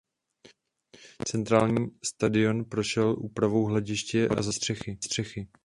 Centrální stadion prošel úpravou hlediště a zatahovací střechy.